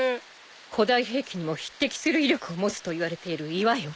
古代兵器にも匹敵する威力を持つといわれている岩よ。